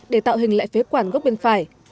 để tạo hình lại phế quản gốc bên phải